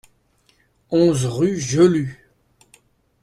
onze rue Jelu